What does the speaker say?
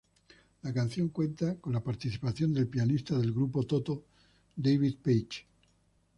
La canción cuenta con la participación del pianista del grupo Toto, David Paich.